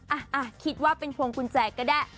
อ่ะคิดว่าเป็นพวงกุญแจก็ได้